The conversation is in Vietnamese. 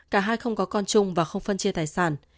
cả hai không có con chung và không phân chia tài sản